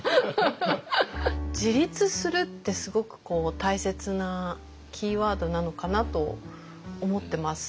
自立するってすごく大切なキーワードなのかなと思ってます。